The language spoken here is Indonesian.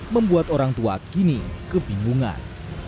membuat orang tua kini kebingungan